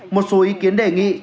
một số ý kiến đề nghị